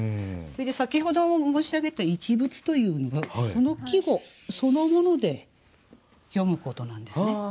それで先ほども申し上げた「一物」というのはその季語そのもので詠むことなんですね。